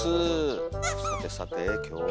さてさて今日は。